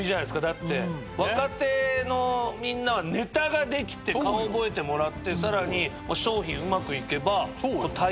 だって若手のみんなはネタができて顔覚えてもらってさらに商品うまくいけばタイアップの。